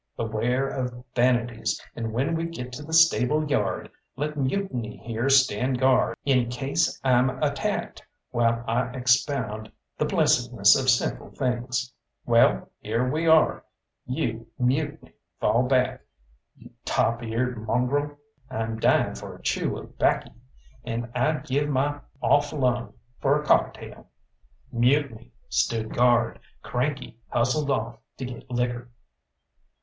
Beware of vanities, and when we get to the stable yard let Mutiny here stand guard in case I'm attacked, while I expound the blessedness of simple things. Well, here we are you Mutiny, fall back, you lop eared mongrel; I'm dying for a chew of 'baccy, and I'd give my off lung for a cocktail." Mutiny stood guard, Cranky hustled off to get liquor.